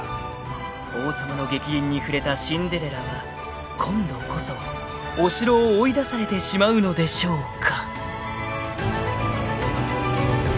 ［王様の逆鱗に触れたシンデレラは今度こそお城を追い出されてしまうのでしょうか］